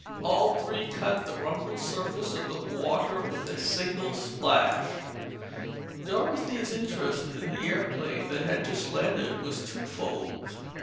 All three cut the rumpled surface of the water with a single splash. Dorothy's interest in the airplane that had just landed was twofold.